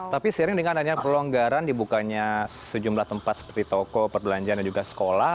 tapi seiring dengan adanya pelonggaran dibukanya sejumlah tempat seperti toko perbelanjaan dan juga sekolah